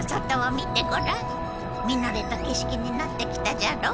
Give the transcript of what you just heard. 見なれた景色になってきたじゃろう？